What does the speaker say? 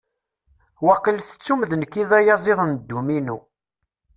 Wakil tettum d nekk i d ayaziḍ n dduminu.